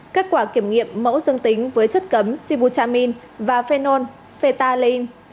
kết quả kiểm nghiệm mẫu dương tính với chất cấm sibutamin và phenol phetaline